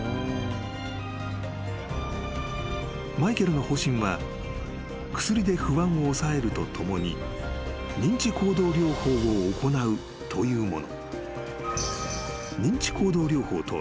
［マイケルの方針は薬で不安を抑えるとともに認知行動療法を行うというもの］